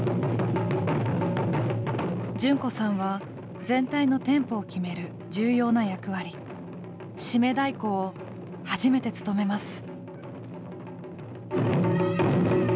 純子さんは全体のテンポを決める重要な役割締太鼓を初めて務めます。